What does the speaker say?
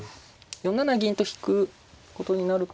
４七銀と引くことになると。